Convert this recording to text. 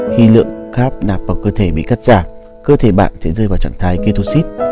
khi lượng cap nạp vào cơ thể bị cắt giảm cơ thể bạn sẽ rơi vào trạng thái ketoxid